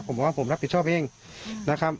ผมบอกว่าผมรับผิดชอบเองนะครับ